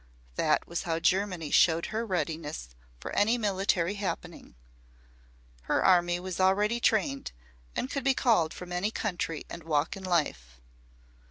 That was how Germany showed her readiness for any military happening. Her army was already trained and could be called from any country and walk in life.